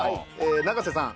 永瀬さん。